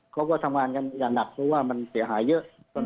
เขาก็ทำงานกันอย่างหนักเพราะว่ามันเสียหายเยอะ